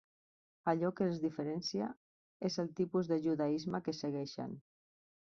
Allò que els diferencia és el tipus de judaisme que segueixen.